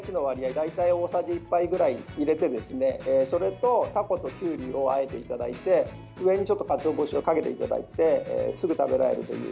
大体、大さじ１杯くらい入れてそれと、タコときゅうりをあえていただいて上にかつお節をかけていただいてすぐに食べられるという。